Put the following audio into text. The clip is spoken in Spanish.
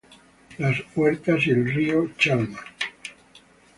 Las Huertas y el río Chalma.